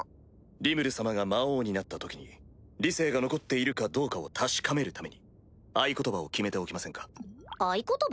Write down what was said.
リムル様が魔王になった時に理性が残っているかどうかを確かめるために合言葉を決めておきませんか？